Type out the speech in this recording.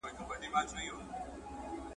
چې روح مې وځي تش وجود به پاته سمه